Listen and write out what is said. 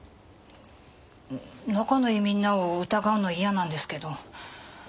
仲のいいみんなを疑うの嫌なんですけど。